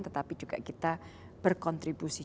tetapi juga kita berkontribusi